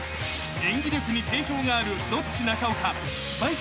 ［演技力に定評があるロッチ中岡バイ